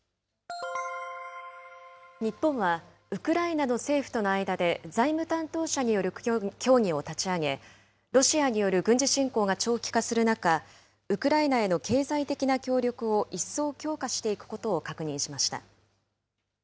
日本は、ウクライナの政府との間で財務担当者による協議を立ち上げ、ロシアによる軍事侵攻が長期化する中、ウクライナへの経済的な協力を一層強化していくことを確認しました。